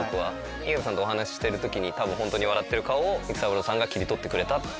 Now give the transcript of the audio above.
井桁さんとお話ししてる時に本当に笑ってる顔を育三郎さんが切り取ってくれた。